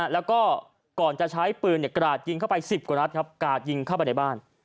แล้วก็ก่อนจะใช้ปืนกราดยิงเข้าไป๑๐กว่านัดครับกราดยิงเข้าไปในบ้าน